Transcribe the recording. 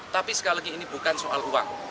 tapi sekali lagi ini bukan soal uang